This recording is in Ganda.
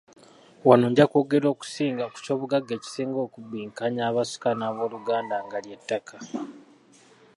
Wano nja kwogera okusinga ku ky'obugagga ekisinga okubbinkanya abasika n'abooluganda nga ly'ettaka.